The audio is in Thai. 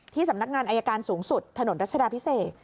สำนักงานอายการสูงสุดถนนรัชดาพิเศษ